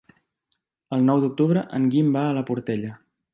El nou d'octubre en Guim va a la Portella.